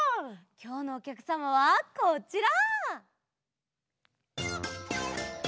きょうのおきゃくさまはこちら！